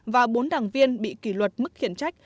và bốn đảng viên bị kỷ luật mức khiển trách